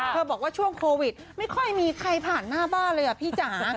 บอกว่าช่วงโควิดไม่ค่อยมีใครผ่านหน้าบ้านเลยอ่ะพี่จ๋า